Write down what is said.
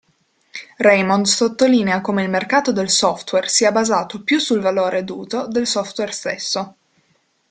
Raymond sottolinea come il mercato del software sia basato più sul valore d'uso del software stesso.